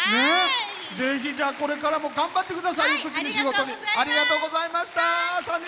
ぜひ、これからも頑張ってください、育児に仕事に。